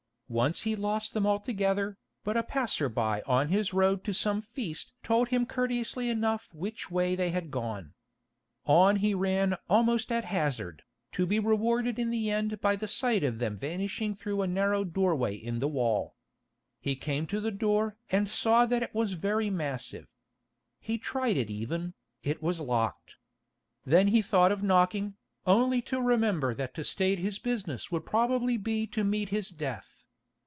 Once he lost them altogether, but a passer by on his road to some feast told him courteously enough which way they had gone. On he ran almost at hazard, to be rewarded in the end by the sight of them vanishing through a narrow doorway in the wall. He came to the door and saw that it was very massive. He tried it even, it was locked. Then he thought of knocking, only to remember that to state his business would probably be to meet his death.